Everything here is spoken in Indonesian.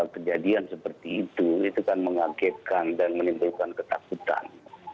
kejadian seperti itu itu kan mengagetkan dan menimbulkan ketakutan